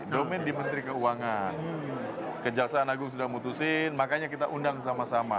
domen di menteri keuangan kejaksaan agung sudah mutusin makanya kita undang sama sama